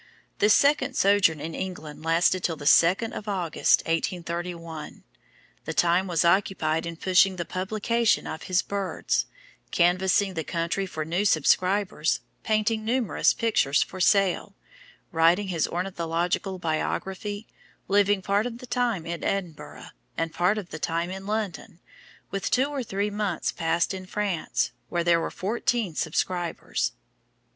This second sojourn in England lasted till the second of August, 1831. The time was occupied in pushing the publication of his "Birds," canvassing the country for new subscribers, painting numerous pictures for sale, writing his "Ornithological Biography," living part of the time in Edinburgh, and part of the time in London, with two or three months passed in France, where there were fourteen subscribers.